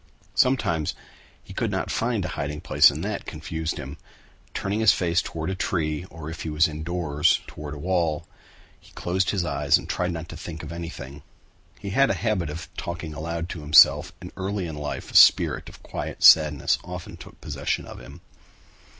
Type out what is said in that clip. Sometimes he could not find a hiding place and that confused him. Turning his face toward a tree or if he was indoors toward the wall, he closed his eyes and tried not to think of anything. He had a habit of talking aloud to himself, and early in life a spirit of quiet sadness often took possession of him.